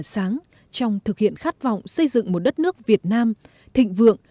sáng trong thực hiện khát vọng xây dựng một đất nước việt nam thịnh vượng